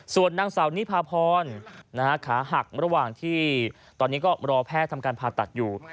ส่วนนางสาวนิพาพรขาหักระหว่างที่ตอนนี้ก็รอแพทย์ทำการผ่าตัดอยู่